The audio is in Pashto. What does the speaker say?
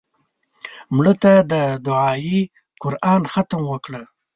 مړه ته د دعایي قرآن ختم وکړه